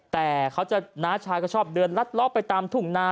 แต่น้าชายก็ชอบเดินลัดล้อไปตามทุ่งนา